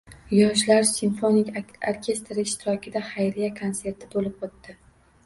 Yoshlar simfonik orkestri ishtirokida xayriya konserti bo‘lib o‘tdi